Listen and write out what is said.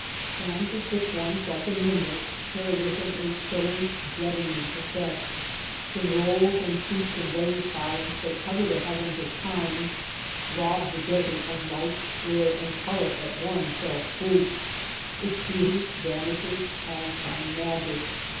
And the thick ones like the nimbus carry with them a chilling, deadening effect. The rolls and sheets of rain clouds that cover the heavens at times rob the desert of light, air, and color at one fell swoop. Its beauty vanishes as by magic.